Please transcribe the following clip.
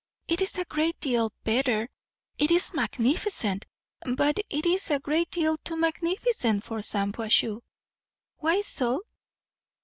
It is a great deal better, it is magnificent; but it is a great deal too magnificent for Shampuashuh." "Why so?"